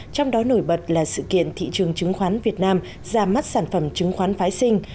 trong đó nổi bật là sự kiện thị trường chứng khoán việt nam ra mắt sản phẩm chứng khoán phái sinh